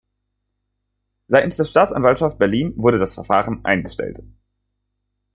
Seitens der Staatsanwaltschaft Berlin wurde das Verfahren eingestellt.